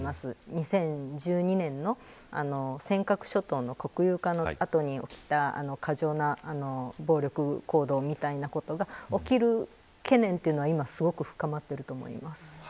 ２０１２年の尖閣諸島の国有化の後に起きた過剰な暴力行動みたいなことが起きる懸念は、今すごく深まっていると思います。